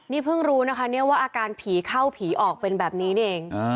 นี่เพิ่งรู้นะคะเนี่ยว่าอาการผีเข้าผีออกเป็นแบบนี้นี่เอง